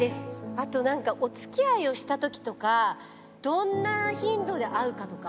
あとなんかお付き合いをした時とかどんな頻度で会うかとか。